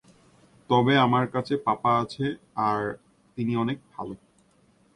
তবে আমার কাছে পাপা আছে আর তিনি অনেক ভালো।